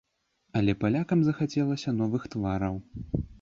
Але палякам захацелася новых твараў.